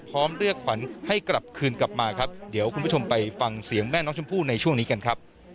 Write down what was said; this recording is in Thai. เรียกขวัญให้กลับคืนกลับมาครับเดี๋ยวคุณผู้ชมไปฟังเสียงแม่น้องชมพู่ในช่วงนี้กันครับ